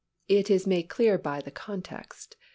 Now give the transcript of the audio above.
It is made clear by the context.